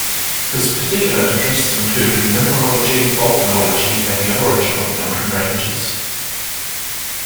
His particular interests included mineralogy, volcanology, and the origin of mountain ranges.